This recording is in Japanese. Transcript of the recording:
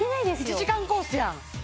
１時間コースやん